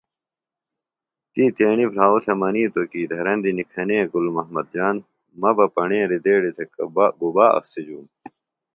تی تیݨی بھراؤ تھےۡ منِیتوۡ کیۡ دھرندیۡ نِکھَنے گُل محمد جان، مہ بہ پݨیریۡ دیڑیۡ تھےۡ گُبا اخسیۡ جُوم